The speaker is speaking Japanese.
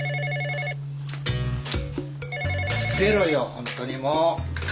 ホントにもう。